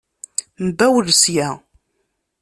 Mbawel sya.